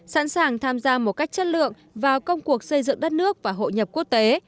sẵn sàng tham gia một cách chất lượng vào công cuộc xây dựng đất nước và hội nhập quốc tế